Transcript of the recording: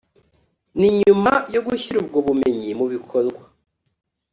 ni nyuma yo gushyira ubwo bumenyi mu bikorwa